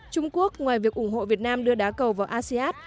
trung quốc ngoài việc ủng hộ việt nam đưa đá cầu vào asean